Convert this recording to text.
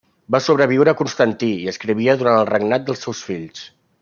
Va sobreviure a Constantí i escrivia durant el regnat dels seus fills.